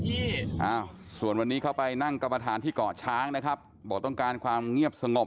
อ้าวส่วนวันนี้เข้าไปนั่งกรรมฐานที่เกาะช้างนะครับบอกต้องการความเงียบสงบ